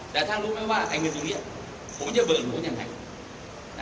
แต่ท่านรู้ไหมว่าไอ้เงินอยู่เนี่ยผมจะเบิกหลวนยังไงนะครับ